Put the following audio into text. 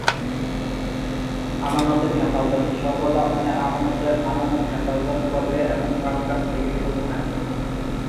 ডানহাতি hard hitting batsman হিসেবে ডানহাতি মিডিয়াম-পেস বোলিংয়েও পারদর্শিতা দেখান তিনি।